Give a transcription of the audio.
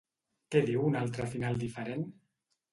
Què diu un altre final diferent?